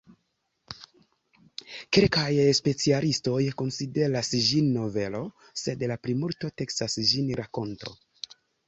Kelkaj specialistoj konsideras ĝin novelo, sed la plimulto taksas ĝin rakonto.